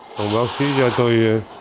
còn bác sĩ cho tôi